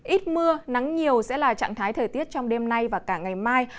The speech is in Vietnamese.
ít mưa nắng nhiều sẽ là trạng thái thời tiết trong đêm nay và cả ngày mai